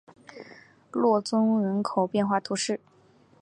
洛宗人口变化图示